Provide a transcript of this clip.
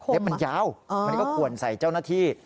มันยาวมันก็ขวนใส่เจ้าหน้าที่